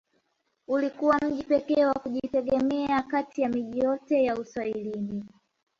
Ulikuwa mji pekee wa kujitegemea kati ya miji yote ya Uswahilini